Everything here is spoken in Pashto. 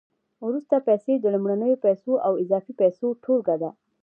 وروستۍ پیسې د لومړنیو پیسو او اضافي پیسو ټولګه ده